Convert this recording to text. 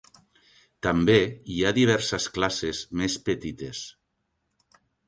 També hi ha diverses classes més petites.